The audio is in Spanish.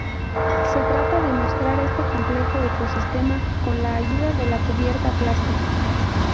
Se trata de mostrar este complejo ecosistema con la ayuda de la cubierta plástica.